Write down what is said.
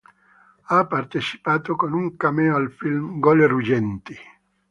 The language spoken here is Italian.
Ha partecipato con un cammeo al film "Gole ruggenti".